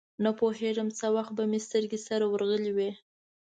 نپوهېږم څه وخت به مې سترګې سره ورغلې وې.